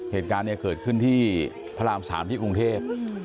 เหตุการณ์นี่เกิดขึ้นที่พระรามสามในอุรุณเทพฯ